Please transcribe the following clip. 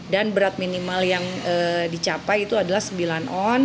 dan berat minimal yang dicapai itu adalah sembilan on